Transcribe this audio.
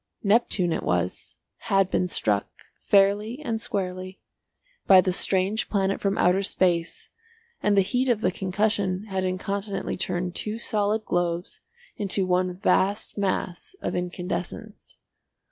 Neptune it was, had been struck, fairly and squarely, by the strange planet from outer space and the heat of the concussion had incontinently turned two solid globes into one vast mass of incandescence.